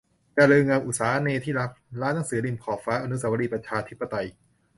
อย่าลืมงาน "อุษาคเนย์ที่รัก" ร้านหนังสือริมขอบฟ้า อนุเสาวรีย์ประชาธิปไตย